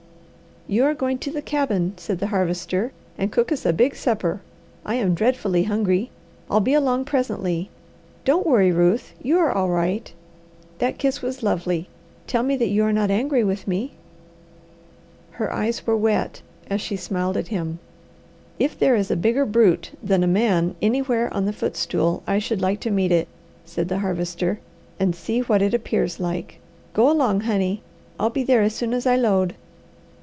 "You are going to the cabin," said the Harvester, "and cook us a big supper. I am dreadfully hungry. I'll be along presently. Don't worry, Ruth, you are all right! That kiss was lovely. Tell me that you are not angry with me." Her eyes were wet as she smiled at him. "If there is a bigger brute than a man anywhere on the footstool, I should like to meet it," said the Harvester, "and see what it appears like. Go along, honey; I'll be there as soon as I load."